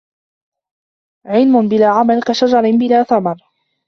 علم بلا عمل كشجر بلا ثمر